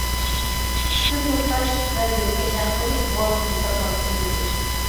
ئىشتىن توختاش ۋە يۆتكەش ھەقلىرى مۇۋاپىق ھېسابلانسا بولىدۇ.